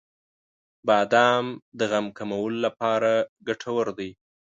• بادام د غم کمولو لپاره ګټور دی.